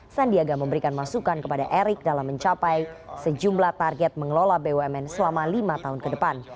sandiaga memberikan masukan kepada erick dalam mencapai sejumlah target mengelola bumn selama lima tahun ke depan